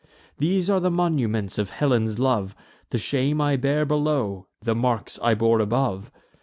These are the monuments of Helen's love: The shame I bear below, the marks I bore above.